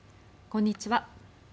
こんにちは。